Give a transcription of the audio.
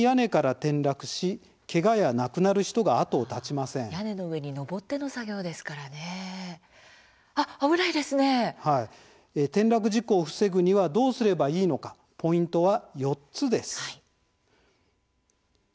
転落事故を防ぐにはどうすればいいのかポイントは４つです。